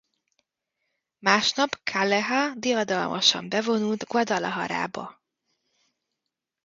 Másnap Calleja diadalmasan bevonult Guadalajarába.